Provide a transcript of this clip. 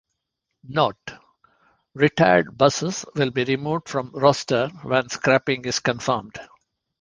Note: Retired buses will be removed from roster when scrapping is confirmed.